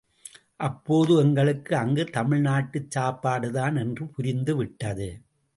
அப்போதே எங்களுக்கு அங்கு தமிழ் நாட்டு சாப்பாடுதான் என்று புரிந்த விட்டது.